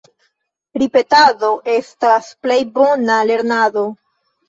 Ripetado estas plej bona lernado.